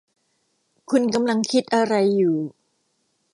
คุณกำลังคิดอะไรอยู่ ?